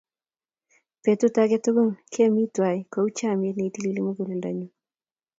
Petut ake tukul kemi twai kou chamyet ne itilili muguleldanyu.